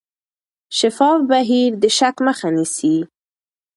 شفاف بهیر د شک مخه نیسي.